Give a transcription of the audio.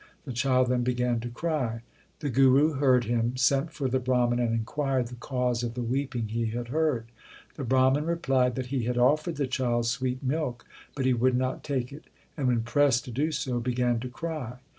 The child then began to cry. The Guru heard him, sent for the Brahman and inquired the cause of the weeping he had heard. The Brahman replied that he had offered the child sweet milk, but he would not take it, and when pressed to do so began to cry.